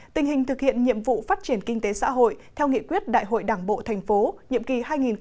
tình hình thực hiện nhiệm vụ phát triển kinh tế xã hội theo nghị quyết đại hội đảng bộ thành phố nhiệm kỳ hai nghìn hai mươi hai nghìn hai mươi năm